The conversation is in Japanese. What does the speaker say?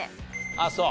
あっそう。